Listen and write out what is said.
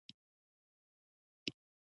مفتي ابوخالد لائق احمد غزنوي سلفي مسلک عالم دی